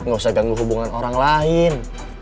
gak usah ganggu hubungan orang lain